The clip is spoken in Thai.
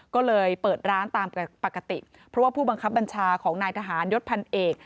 ก็เลยเปิดร้านตามปกติเพราะว่าผู้บังคับบัญชาของนายทหารยศพันเอก